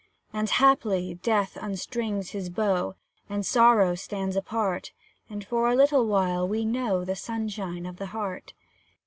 And, haply, Death unstrings his bow, And Sorrow stands apart, And, for a little while, we know The sunshine of the heart.